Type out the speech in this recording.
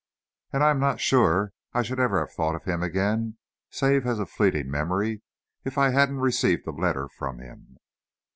And I'm not sure I should ever have thought of him again, save as a fleeting memory, if I hadn't received a letter from him.